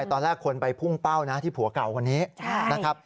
ตอนแรกคุณไปพุ่งเป้าที่ผัวเก่ากว่านี้